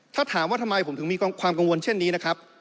ถ้าถามว่าทำไมผมถึงมีความกังวลเช่นนี้นะครับ